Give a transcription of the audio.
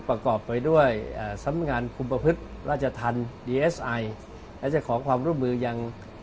ประกอบไปด้วยสำงานคุมประพฤติราชธรรมดีเอสไอและจะขอความร่วมมือยัง